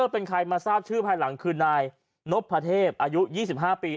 เป็นใครมาทราบชื่อภายหลังคือนายนพพระเทพอายุยี่สิบห้าปี